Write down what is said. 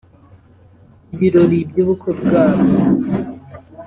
Ibirori by’ubukwe bwabo